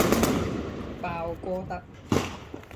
鲍戈德。